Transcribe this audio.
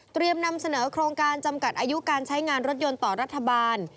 นำเสนอโครงการจำกัดอายุการใช้งานรถยนต์ต่อรัฐบาล